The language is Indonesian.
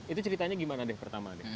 itu ceritanya gimana deh pertama deh